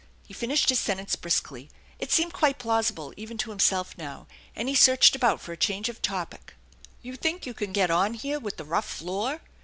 He finished his sentence briskly. It seemed quite plausibk even to himself now, and he searched about for a change of topic. "You think you can get on here with the rough floor?